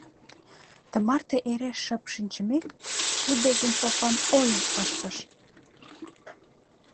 Тымарте эре шып шинчымек, тудо Венцовлан ойым ыштыш: